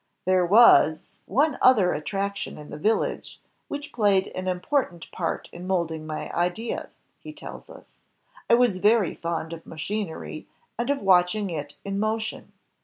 "There was ... one other attraction in the village, which played an important part in molding my ideas," he tells us. "I was very fond of machinery, and of watch ing it in motion.